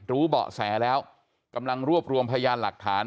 เบาะแสแล้วกำลังรวบรวมพยานหลักฐาน